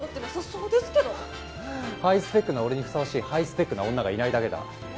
その様子じゃ、全然もてなさそうハイスペックな俺にふさわしいハイスペックな女がいないだけだ。